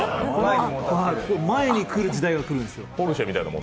前に来る時代が来るんですよ。